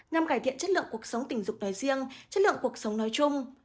nhằm cải thiện chất lượng cuộc sống tình dục nói riêng chất lượng cuộc sống nói chung